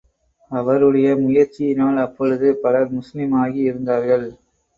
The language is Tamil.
அவருடைய முயற்சியினால் அப்பொழுது பலர் முஸ்லிம் ஆகி இருந்தார்கள்.